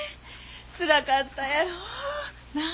つらかったやろう？なあ。